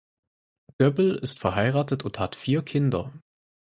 Göbel ist verheiratet und hat vier Kinder.